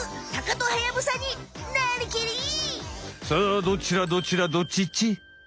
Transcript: さあどっちだどっちだどっちっち？